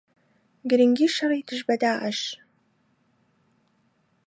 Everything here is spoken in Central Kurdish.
گرنگی شەڕی دژ بە داعش